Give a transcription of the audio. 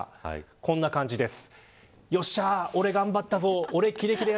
こんな感じです。